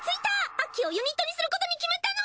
アッキーをユニットにすることに決めたの！